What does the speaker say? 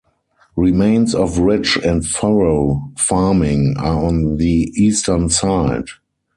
Remains of ridge and furrow farming are on the eastern side.